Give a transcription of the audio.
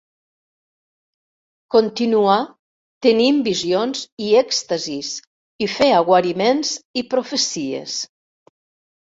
Continuà tenint visions i èxtasis i feia guariments i profecies.